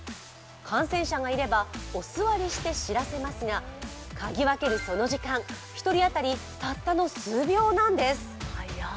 感染者がいれば、お座りして知らせますが嗅ぎ分けるその時間、１人当たりたったの数秒なんです。